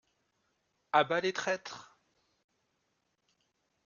A bas les traîtres!